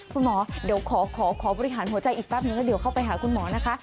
คุณหมอเดี๋ยวขอบริหารหัวใจอีกแป๊บนึงแล้วเดี๋ยวเข้าไปหาคุณหมอนะคะ